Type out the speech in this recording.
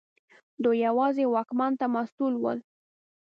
دوی یوازې واکمن ته مسوول ول.